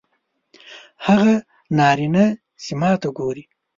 هغه نارینه چې ماته ګوري